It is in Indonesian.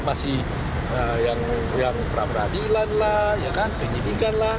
masih yang pra peradilan lah penyidikan lah